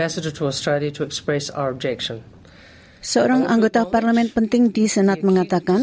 seorang anggota parlemen penting di senat mengatakan